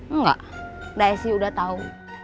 enggak dsi udah tau